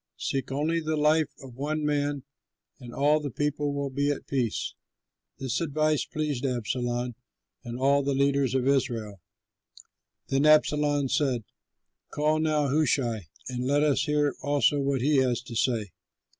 Seek only the life of one man, and all the people will be at peace." This advice pleased Absalom and all the leaders of Israel. Then Absalom said, "Call now Hushai and let us hear also what he has to say."